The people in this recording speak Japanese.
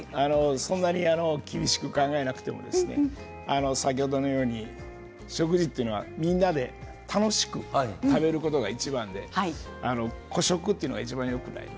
そんなに厳しく考えなくても先ほどのように食事というのはみんなで楽しく食べることがいちばんで孤食というのがいちばんよくない。